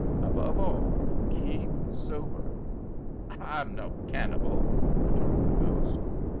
Above all, keep sober." "H'I'm no cannibal," retorted the ghost.